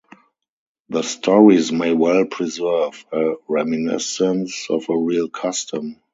The stories may well preserve a reminiscence of a real custom.